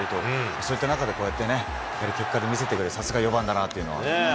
そういった中でこうやってね、結果で見せてくれるっていうのは、さすが４番だなというのは。